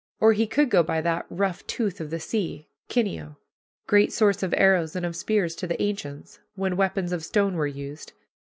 Or he could go by "that rough tooth of the sea" Kineo, great source of arrows and of spears to the ancients, when weapons of stone were used.